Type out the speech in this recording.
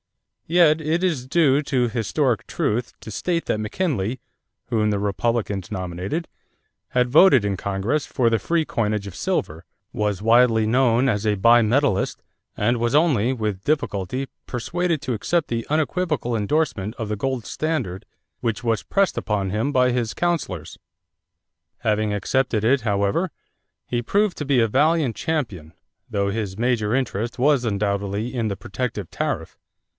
Yet it is due to historic truth to state that McKinley, whom the Republicans nominated, had voted in Congress for the free coinage of silver, was widely known as a bimetallist, and was only with difficulty persuaded to accept the unequivocal indorsement of the gold standard which was pressed upon him by his counselors. Having accepted it, however, he proved to be a valiant champion, though his major interest was undoubtedly in the protective tariff.